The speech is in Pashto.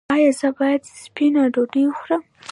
ایا زه باید سپینه ډوډۍ وخورم؟